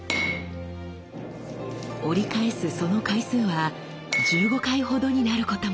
折り返すその回数は１５回ほどになることも。